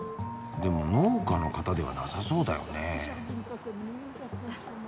でも農家の方ではなさそうだよね。